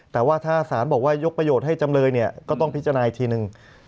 แต่ว่าถ้าศาลบอกว่ายกประโยชน์ให้จำเลยเนี่ยก็ต้องพิจารณาอีกทีนึง